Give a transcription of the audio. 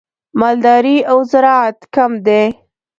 مالداري او زراعت کم دي.